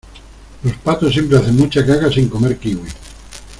los patos siempre hacen mucha caca sin comer kiwi.